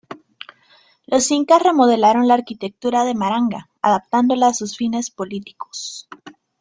Los incas remodelaron la arquitectura de Maranga, adaptándola a sus fines políticos.